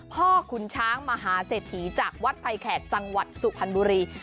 พ่อคุณช้างมหาเสถียจากวัดไพแขกจังหวัดสุพรรณบุรี